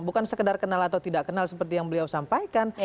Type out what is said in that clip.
bukan sekedar kenal atau tidak kenal seperti yang beliau sampaikan